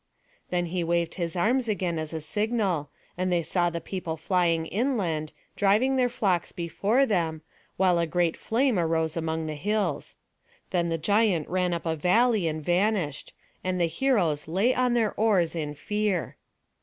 Then he waved his arms again as a signal, and they saw the people flying inland, driving their flocks before them, while a great flame arose among the hills. Then the giant ran up a valley and vanished; and the heroes lay on their oars in fear.